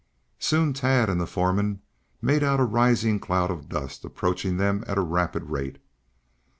Soon Tad and the foreman made out a rising cloud of dust approaching them at a rapid rate.